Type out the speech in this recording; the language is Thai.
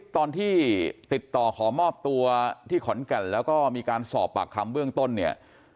ตอนที่ติดต่อขอมอบตัวที่ขอนแก่นแล้วก็มีการสอบปากคำเบื้องต้นเนี่ย